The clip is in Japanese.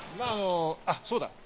あっ、そうだ！